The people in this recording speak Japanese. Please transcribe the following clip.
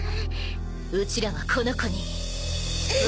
うちらはこの子に。